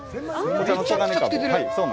めちゃくちゃ漬けてる。